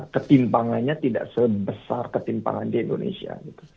ketimpangannya tidak sebesar ketimpangan di indonesia